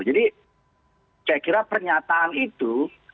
jadi saya kira pernyataan itu